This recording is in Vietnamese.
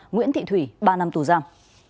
nguyễn thị thủy ba năm tù giam